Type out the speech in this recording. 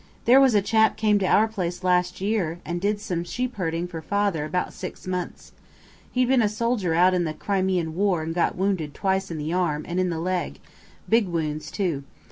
There was a chap came to our place last year and did some shepherding for father for about six months. He'd been a soldier out in the Crimean war and got wounded twice in the arm and in the leg, big wounds too.